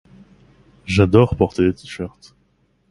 J'adore porter des t-shirt